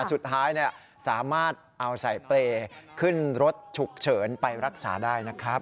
สุดท้ายสามารถเอาใส่เปรย์ขึ้นรถฉุกเฉินไปรักษาได้นะครับ